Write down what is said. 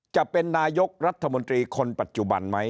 จะเป็นนายกรัฐมนตรีคนปัจจุบันไหม